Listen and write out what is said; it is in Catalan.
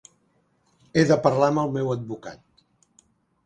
He de parlar amb el meu advocat.